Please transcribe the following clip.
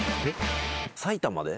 埼玉で？